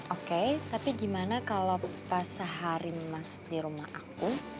oke tapi gimana kalau pas sehari masuk di rumah aku